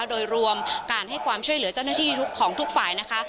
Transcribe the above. โดยรวมการให้ความช่วยเหลือเจ้าหน้าที่ของทุกฝ่ายนะคะ